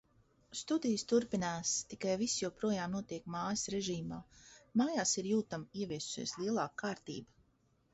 Studijas turpinās, tikai viss joprojām notiek mājas režīmā. Mājās ir jūtami ieviesusies lielāka kārtība.